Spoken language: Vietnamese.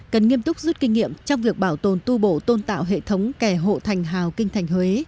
cần nghiêm túc rút kinh nghiệm trong việc bảo tồn tu bổ tôn tạo hệ thống kẻ hộ thành hào kinh thành huế